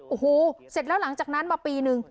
โอ้โหเสร็จแล้วหลังจากนั้นมาปีนึง